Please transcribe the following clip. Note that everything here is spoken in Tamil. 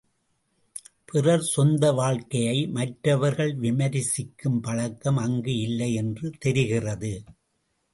பிறர் சொந்த வாழ்க்கையை மற்றவர்கள் விமரிசிக்கும் பழக்கம் அங்கு இல்லை என்று தெரிகிறது.